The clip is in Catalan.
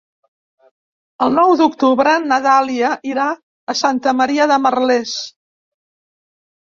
El nou d'octubre na Dàlia irà a Santa Maria de Merlès.